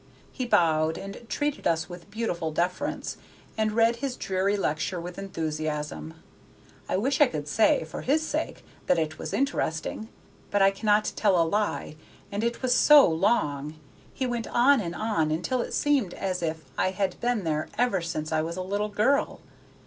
He bowed, and treated us with beautiful deference, and read his dreary lecture with enthusiasm. I wish I could say, for his sake, that it was interesting; but I cannot tell a lie, and it was so long! He went on and on, until it seemed as if I had been there ever since I was a little girl.